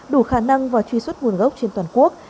đủ khả năng và truy xuất nguồn gốc trên toàn quốc